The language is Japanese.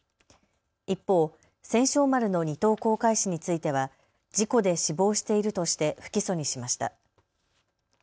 一方、千勝丸の２等航海士については事故で死亡しているとして不起訴にしました。